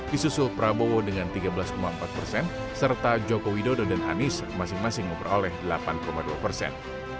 disusul prabowo dengan tiga belas empat persen serta joko widodo dan anies masing masing memperoleh delapan dua persen